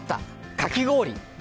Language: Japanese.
かき氷！